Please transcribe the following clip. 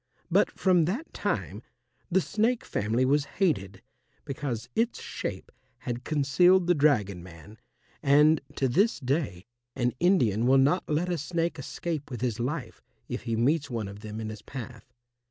But from that time the snake family was hated because its shape had concealed the dragon man, and to this day an Indian will not let a snake escape with his life if he meets one of them in his path.